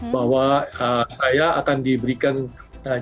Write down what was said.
bahwa saya akan diberikan kepercayaan